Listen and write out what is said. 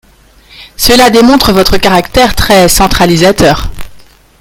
Cela démontre votre caractère très centralisateur.